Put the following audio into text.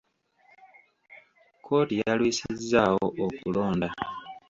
kkooti yalwisizzaawo okulonda.